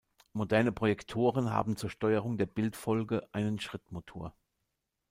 Moderne Projektoren haben zur Steuerung der Bildfolge einen Schrittmotor.